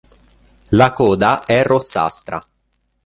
La coda è rossastra.